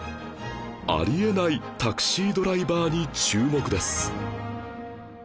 あり得ないタクシードライバーに注目です